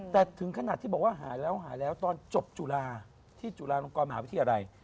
แต่ถึงขนาดที่บอกว่าหายแล้วตอนจบจุฬาที่จุฬาลงกรมหาวิธีอะไร